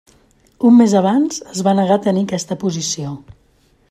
Un mes abans, es va negar a tenir aquesta posició.